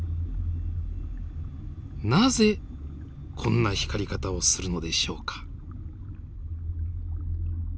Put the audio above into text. なぜこんな光り方をするのでしょうか。